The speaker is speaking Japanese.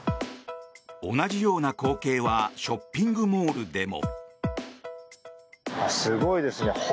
同じような光景はショッピングモールでも。